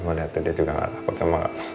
kamu liat tuh dia juga gak laku sama kamu